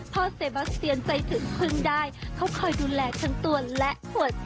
เซบาเซียนใจถึงพึ่งได้เขาคอยดูแลทั้งตัวและปวด